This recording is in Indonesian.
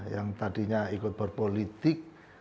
yang tadinya ikut berpolitik